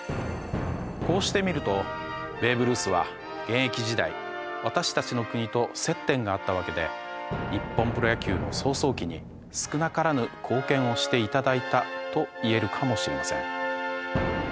こうして見るとベーブ・ルースは現役時代私たちの国と接点があったわけで日本プロ野球の草創期に少なからぬ貢献をして頂いたといえるかもしれません。